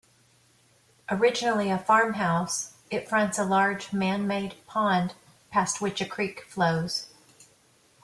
Originally a farmhouse, it fronts a large man-made pond past which a creek flows.